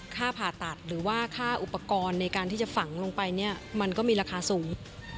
ค่าผ่าตัดหรือว่าค่าอุปกรณ์ในการที่จะฝังลงไปเนี่ยมันก็มีราคาสูง